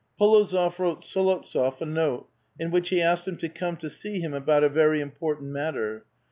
P61ozof wrote S61ovtsof a note, in which he asked him to come to see him about a very important matter.